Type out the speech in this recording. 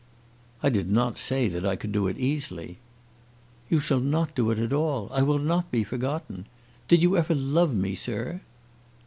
"I did not say that I could do it easily." "You shall not do it at all. I will not be forgotten. Did you ever love me, sir?"